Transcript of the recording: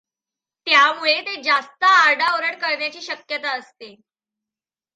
त्यामुळे ते जास्त आरडाओरड करण्याची शक्यता असते.